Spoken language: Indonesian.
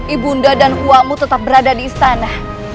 ibu undang dan hua mu tetap berada di istana